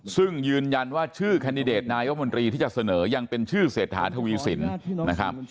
ซึ่งยืนยันว่าชื่อแคนดิเดตนายกมนตรีที่จะเสนอยังเป็นชื่อเศรษฐาทวีสินนะครับ